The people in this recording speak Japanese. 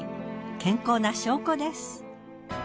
健康な証拠です。